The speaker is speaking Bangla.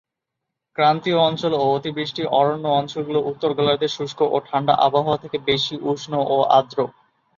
ক্রান্তীয় জঙ্গল ও অতিবৃষ্টি অরণ্য অঞ্চলগুলো উত্তর গোলার্ধের শুষ্ক ও ঠাণ্ডা আবহাওয়া থেকে বেশি উষ্ণ ও আর্দ্র।